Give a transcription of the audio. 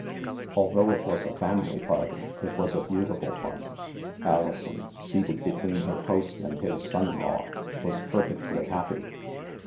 Although it was a family party, it was a beautiful one. Alison, seated between her host and his son in law, was perfectly happy.